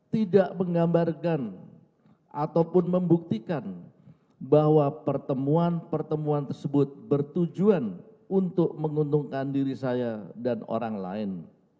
tidak menggambarkan ataupun membuktikan bahwa pertemuan pertemuan tersebut bertujuan untuk menguntungkan diri saya dan orang lain